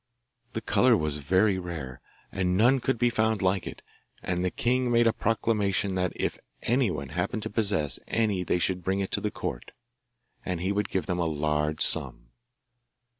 The colour was very rare, and none could be found like it, and the king made a proclamation that if anyone happened to possess any they should bring it to the court, and he would give them a large sum.